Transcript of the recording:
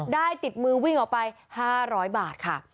ได้ติดมือวิ่งออกไป๕๐๐บาทค่ะ